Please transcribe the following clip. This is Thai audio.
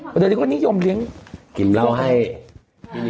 กินแล้วให้นิวฟังเนี่ยเรียนที่หม่อม้าทำก๋วยเตี๋ยวอ่ะ